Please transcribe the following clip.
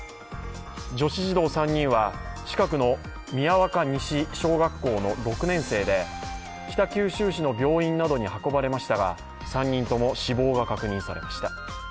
女子児童３人は近くの宮若西小学校の６年生で北九州市の病院などに運ばれましたが３人とも死亡が確認されました。